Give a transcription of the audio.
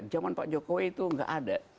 jaman pak jokowi itu gak ada